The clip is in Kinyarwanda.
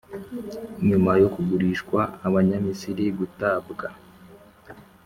nyuma yo kugurishwa abanyamisiri, gutabwa